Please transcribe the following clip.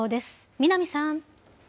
南さん。